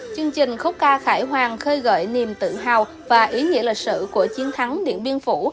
chương trình khúc ca khải hoàng khơi gợi niềm tự hào và ý nghĩa lịch sử của chiến thắng điện biên phủ